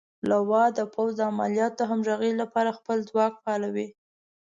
لوا د پوځ د عملیاتو د همغږۍ لپاره خپل ځواک فعالوي.